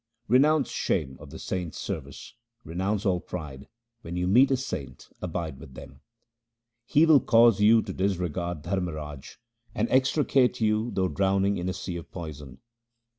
Renounce shame of the saints' service ; renounce all pride ; when you meet a saint abide with him. He will cause you to disregard Dharmraj, and extricate you though drowning in a sea of poison.